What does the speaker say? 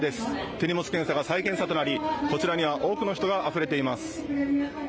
手荷物検査が再検査となりこちらには多くの人があふれています。